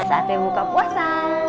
saatnya buka puasa